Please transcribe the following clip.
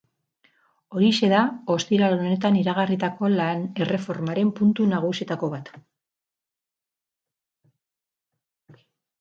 Horixe da ostiral honetan iragarritako lan-erreformaren puntu nagusietako bat.